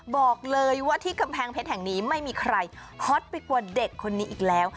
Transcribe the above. บอกเลยว่าที่กำแพงเพชรแห่งนี้ไม่มีใครฮอตไปกว่าเด็กคนนี้อีกแล้ว